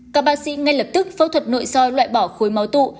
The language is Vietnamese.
các bác sĩ ngay lập tức phẫu thuật nội soi loại bỏ khối máu tụ